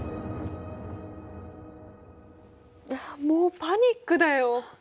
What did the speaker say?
もうパニックだよ。